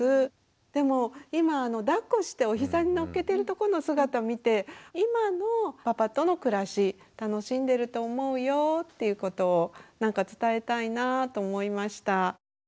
でも今だっこしておひざにのっけてるとこの姿見て今のパパとの暮らし楽しんでると思うよっていうことをなんか伝えたいなぁと思いました。